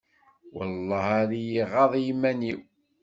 Welleh ar i y-iɣaḍ yiman-iw!